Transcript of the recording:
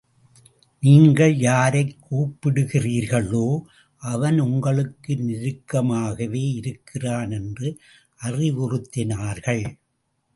நீங்கள் யாரைக் கூப்பிடுகிறீர்களோ, அவன் உங்களுக்கு நெருக்கமாகவே இருக்கிறான், என்று அறிவுறுத்தினார்கள்.